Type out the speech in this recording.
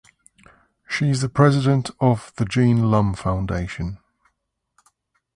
She is the president of the Jean Lumb Foundation.